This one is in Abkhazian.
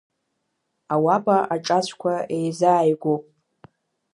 Ауапа аҿацәқәа еизааигәоуп.